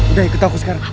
udah ikut aku sekarang